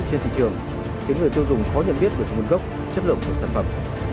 trên thị trường khiến người tiêu dùng khó nhận biết được nguồn gốc chất lượng của sản phẩm